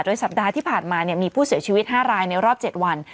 สัปดาห์ที่ผ่านมามีผู้เสียชีวิต๕รายในรอบ๗วัน